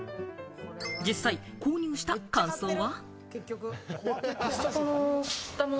実際購入した感想は。